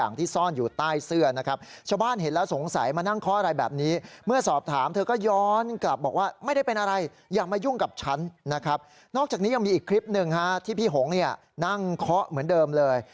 นอกจากนี้ยังมีอีกคลิปหนึ่งที่พี่หงนั่งเคาะเหมือนเดิมเลย